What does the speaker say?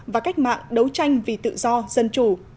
và cách mạng đấu tranh vì tự do dân chủ